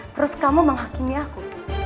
terus kamu menghakimi aku